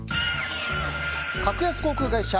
格安航空会社